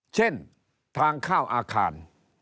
เช่นทางเข้าอาคาร